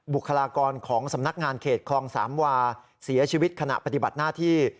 บุคลากรของสำนักงานเขตคลองสามวาเสียชีวิตขณะปฏิบัติหน้าที่